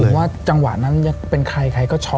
หรือว่าจังหวะนั้นเป็นใครก็ช็อกนะ